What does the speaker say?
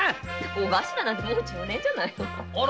小頭なんてもう中年じゃない。